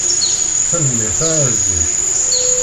Tanemmirt a aɛziz.